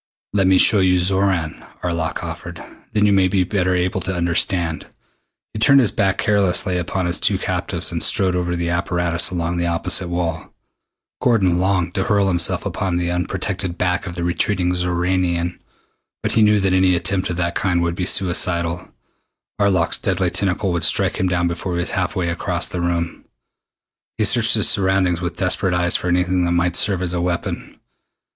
"Let me show you Xoran," Arlok offered. "Then you may be better able to understand." He turned his back carelessly upon his two captives and strode over to the apparatus along the opposite wall. Gordon longed to hurl himself upon the unprotected back of the retreating Xoranian, but he knew that any attempt of that kind would be suicidal. Arlok's deadly tentacle would strike him down before he was halfway across the room. He searched his surroundings with desperate eyes for anything that might serve as a weapon.